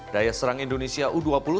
daya serang indonesia u dua puluh